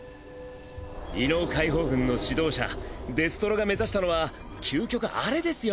異能解放軍の指導者デストロが目指したのは究極あれですよ